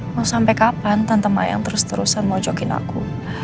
mau sampai kapan tante mayang terus terusan mojokin aku